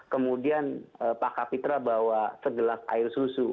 kemudian pak kapitra bawa segelas air susu